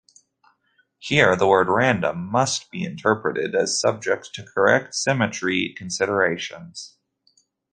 Here the word 'random' must be interpreted as subject to correct symmetry considerations.